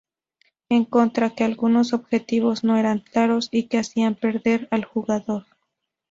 En contra, que algunos objetivos no eran claros y que hacían perder al jugador.